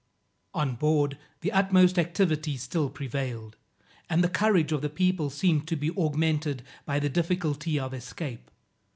On board the utmost activity still prevailed, and the courage of the people seemed to be augmented by the difficulty of escape.